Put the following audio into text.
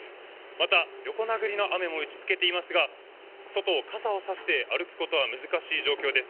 また、横殴りの雨も打ち付けていますが、外を傘を差して歩くことは難しい状況です。